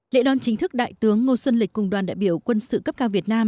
lễ đón chính thức đại tướng ngô xuân lịch cùng đoàn đại biểu quân sự cấp cao việt nam